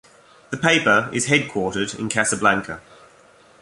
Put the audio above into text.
The paper is headquartered in Casablanca.